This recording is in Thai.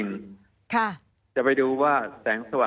มีความรู้สึกว่ามีความรู้สึกว่า